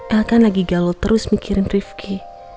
elle kan lagi galau terus mikirin rivki